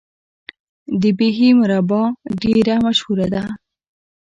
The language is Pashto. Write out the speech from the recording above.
د بیحي مربا ډیره مشهوره ده.